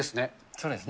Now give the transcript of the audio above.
そうですね。